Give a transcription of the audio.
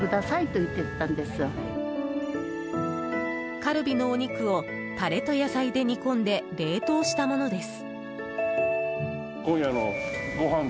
カルビのお肉をタレと野菜で煮込んで冷凍したものです。